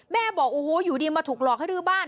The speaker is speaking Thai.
บอกโอ้โหอยู่ดีมาถูกหลอกให้รื้อบ้าน